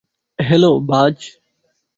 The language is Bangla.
হ্যালো, বায।